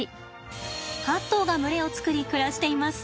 ８頭が群れを作り暮らしています。